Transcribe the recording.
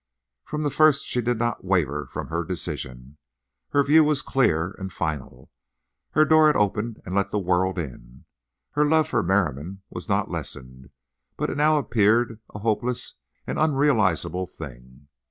From the first she did not waver from her decision. Her view was clear and final. Her door had opened and let the world in. Her love for Merriam was not lessened; but it now appeared a hopeless and unrealizable thing.